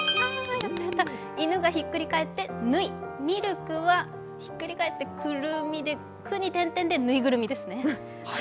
犬がひっくり返って「ぬい」、ミルクはひっくり返って「クルミ」で「く」に点々でぬいぐるみですね。